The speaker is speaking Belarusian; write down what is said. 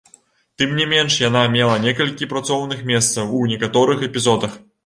Тым не менш, яна мела некалькі працоўных месцаў у некаторых эпізодах.